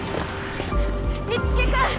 樹君！